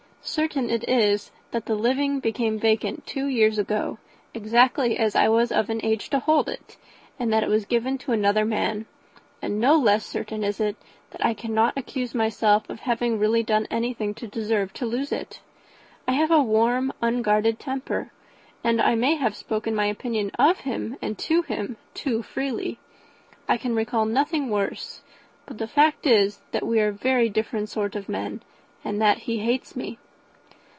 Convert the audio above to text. Certain it is that the living became vacant two years ago, exactly as I was of an age to hold it, and that it was given to another man; and no less certain is it, that I cannot accuse myself of having really done anything to deserve to lose it. I have a warm unguarded temper, and I may perhaps have sometimes spoken my opinion of him, and to him, too freely. I can recall nothing worse. But the fact is, that we are very different sort of men, and that he hates me."